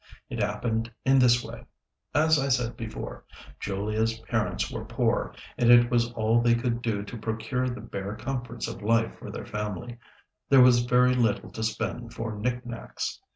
It happened in this way: As I said before, Julia's parents were poor, and it was all they could do to procure the bare comforts of life for their family; there was very little to spend for knickknacks.